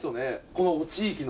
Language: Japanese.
この地域の。